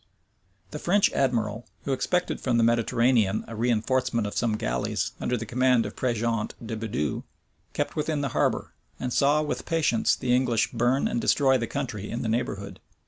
The French admiral, who expected from the Mediterranean a reënforcement of some galleys under the command of Prejeant de Bidoux, kept within the harbor, and saw with patience the English burn and destroy the country in the neighborhood.